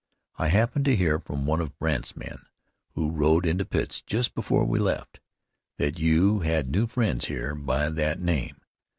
I happened to hear from one of Brandt's men, who rode into Pitt just before we left, that you had new friends here by that name.